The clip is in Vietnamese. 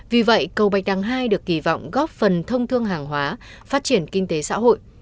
vì vậy cầu bạch đằng hai được kỳ vọng góp phần thông thương hàng hóa phát triển kinh tế xã hội